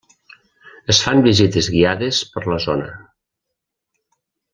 Es fan visites guiades per la zona.